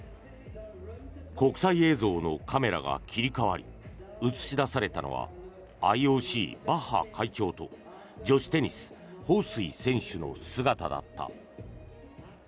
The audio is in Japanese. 国際映像のカメラが切り替わり映し出されたのはＩＯＣ、バッハ会長と女子テニスホウ・スイ選手の姿だった。